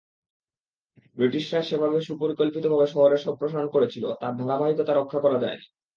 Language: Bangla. ব্রিটিশরা যেভাবে সুপরিকল্পিতভাবে শহরের সম্প্রসারণ করেছিল, তার ধারাবাহিকতা রক্ষা করা যায়নি।